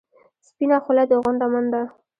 سپینه خوله دې غونډه منډه.